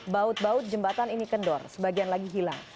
baut baut jembatan ini kendor sebagian lagi hilang